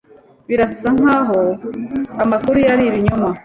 Birasa nkaho amakuru yari ibinyoma.